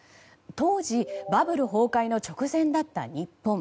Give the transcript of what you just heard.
当時バブル崩壊の直前だった日本。